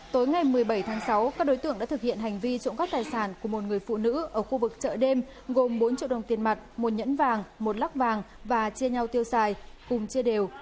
tối ngày một mươi bảy tháng sáu các đối tượng đã thực hiện hành vi trộm các tài sản của một người phụ nữ ở khu vực chợ đêm gồm bốn triệu đồng tiền mặt một nhẫn vàng một lắc vàng và chia nhau tiêu xài cùng chia đều